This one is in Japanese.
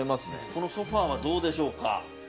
このソファはどうでしょうか。